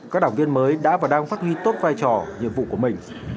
các đảng viên mới đã và đang phát huy tốt vai trò nhiệm vụ của mình